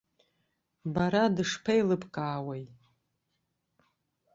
Бара дышԥеилыбкаауеи?